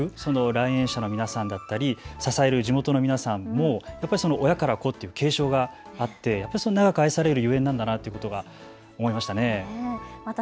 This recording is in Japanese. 来園者の皆さんだったり支える地元の皆さんも、やっぱり親から子という継承があって、それが長く愛される理由なんだなと思いました。